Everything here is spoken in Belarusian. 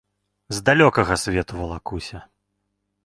З далёкага свету валакуся.